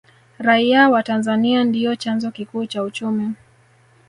raia wa tanzania ndiyo chanzo kikuu cha uchumi